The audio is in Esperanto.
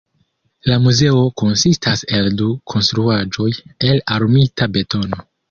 La muzeo konsistas el du konstruaĵoj el armita betono.